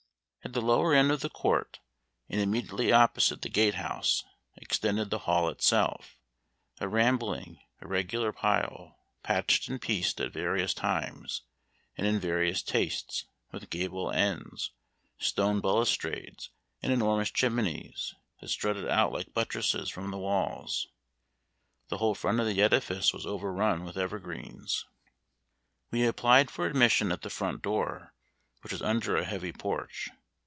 At the lower end of the court, and immediately opposite the gate house, extended the Hall itself; a rambling, irregular pile, patched and pieced at various times, and in various tastes, with gable ends, stone balustrades, and enormous chimneys, that strutted out like buttresses from the walls. The whole front of the edifice was overrun with evergreens. We applied for admission at the front door, which was under a heavy porch.